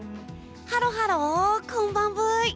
ハロハロこんばんブイ！